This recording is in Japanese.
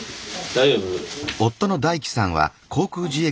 大丈夫。